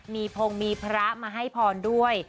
มีพงศ์มีพระมาให้พรด้วย